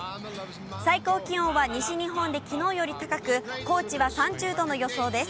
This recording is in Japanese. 最高気温は西日本できのうより高く、高知は３０度の予想です。